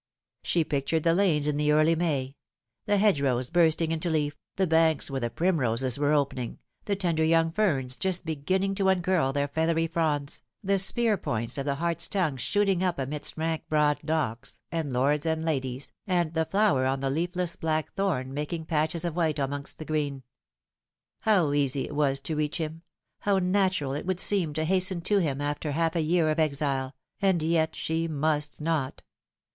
She pictured the lanes in the early May the hedgerows bursting into leaf, the banks where the primroses were opening, the tender young ferns just beginning to uncurl their feathery fronds, the spear points of the hartstongue shooting up amidst rank broad docks, and lords and ladies, and the flower on the leafless blackthorn making patches of white amongst the green. How easy it was to reach him ! how natural it would seem to hasten to him after half a year of exile ! and yet she must not.